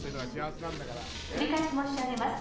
繰り返し申し上げます。